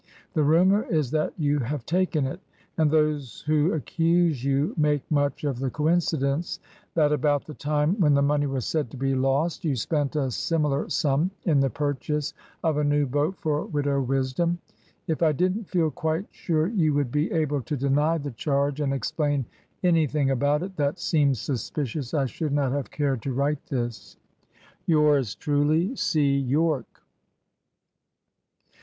The rumour is that you have taken it, and those who accuse you make much of the coincidence that about the time when the money was said to be lost, you spent a similar sum in the purchase of a new boat for Widow Wisdom. If I didn't feel quite sure you would be able to deny the charge and explain anything about it that seems suspicious, I should not have cared to write this. "Yours truly, "C. Yorke."